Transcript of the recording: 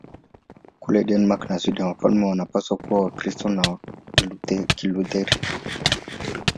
Kule Denmark na Sweden wafalme wanapaswa kuwa Wakristo wa Kilutheri.